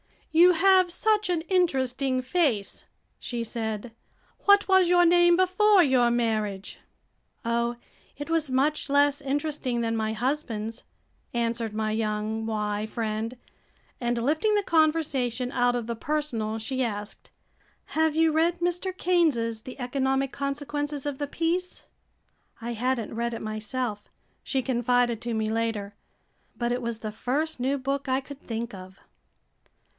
"You have such an interesting face," she said. "What was your name before your marriage?" "Oh, it was much less interesting than my husband's," answered my young Y friend, and lifting the conversation out of the personal she asked, "Have you read Mr. Keynes' 'The Economic Consequences of the Peace?'" "I had n't read it myself," she confided to me later, "but it was the first new book I could think of!"